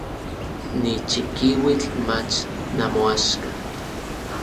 Ni chikiuitl mach namoaxka.